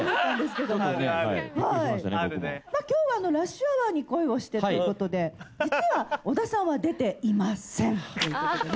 今日は『ラッシュアワーに恋をして』ということで実は小田さんは出ていませんということでね。